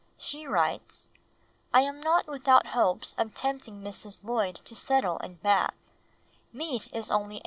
She writes: "I am not without hopes of tempting Mrs. Lloyd to settle in Bath; meat is only 8d.